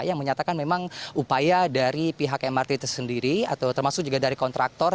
yang menyatakan memang upaya dari pihak mrt itu sendiri atau termasuk juga dari kontraktor